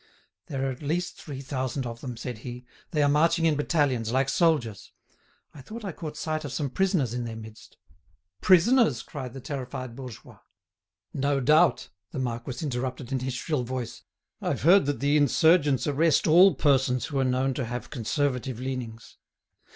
"There are at least three thousand of them," said he. "They are marching in battalions, like soldiers. I thought I caught sight of some prisoners in their midst." "Prisoners!" cried the terrified bourgeois. "No doubt," the marquis interrupted in his shrill voice. "I've heard that the insurgents arrest all persons who are known to have conservative leanings."